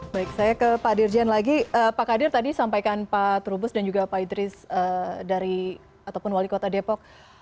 baik saya ke pak dirjen lagi pak kadir tadi sampaikan pak trubus dan juga pak idris dari ataupun wali kota depok